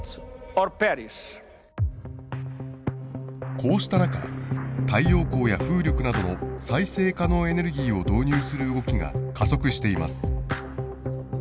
こうした中太陽光や風力などの再生可能エネルギーを導入する動きが加速しています。